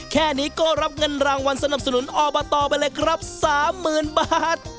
แค่นี้ก็รับเงินรางวัลสนับสนุนอบตไปเลยครับ๓๐๐๐บาท